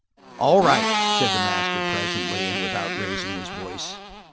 "All right," said the master presently, and without raising his voice.